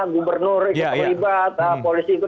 gubernur terlibat polisi itu